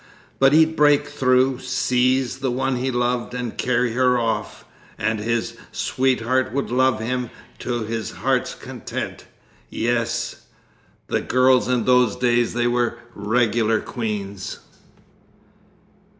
But he'd break through, seize the one he loved, and carry her off. And his sweetheart would love him to his heart's content! Yes, the girls in those days, they were regular queens!'